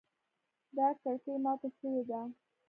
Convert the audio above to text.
دا کړکۍ ماته شوې ده